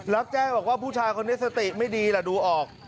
รับแจ้งบอกว่าผู้ชายคนนี้สติไม่ดีล่ะดูออก